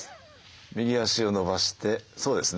右足を伸ばしてそうですね。